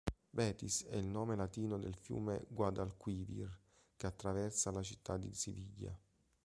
Betis è il nome latino del fiume Guadalquivir, che attraversa la città di Siviglia.